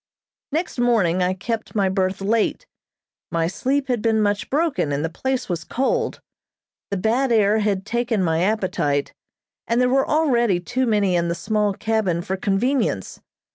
Next morning I kept my berth late. My sleep had been much broken, and the place was cold. The bad air had taken my appetite, and there were already too many in the small cabin for convenience.